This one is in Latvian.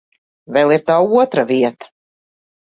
Vēl ir tā otra vieta.